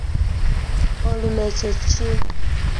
Olume kye ki?